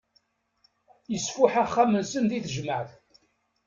Isfuḥ axxam-nsen di tejmaεt.